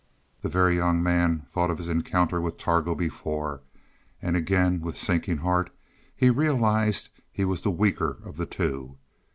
The Very Young Man thought of his encounter with Targo before, and again with sinking heart he realized he was the weaker of the two.